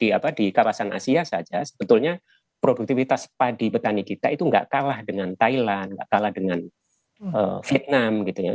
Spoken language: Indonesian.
di kawasan asia saja sebetulnya produktivitas padi petani kita itu nggak kalah dengan thailand nggak kalah dengan vietnam gitu ya